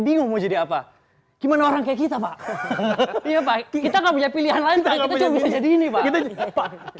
bingung mau jadi apa gimana orang kayak kita pak kita nggak punya pilihan lain bisa jadi ini pak